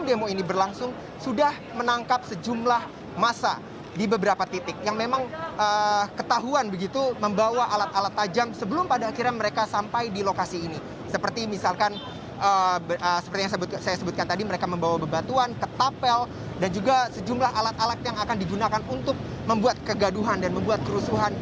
demo berjalan kondusif mereka pun mendapatkan kabar baik bahwa imam besar mereka habib rizik shihab diperbolehkan untuk ke indonesia